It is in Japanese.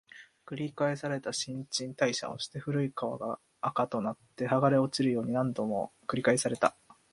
繰り返された、新陳代謝をして、古い皮が垢となって剥がれ落ちるように、何度も繰り返された